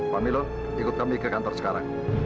pak milo ikut kami ke kantor sekarang